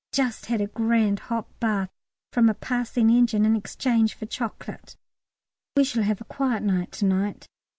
Just had a grand hot bath from a passing engine in exchange for chocolate. We shall have a quiet night to night.